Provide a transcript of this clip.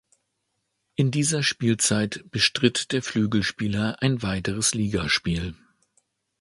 In dieser Spielzeit bestritt der Flügelspieler ein weiteres Ligaspiel.